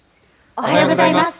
おはようございます。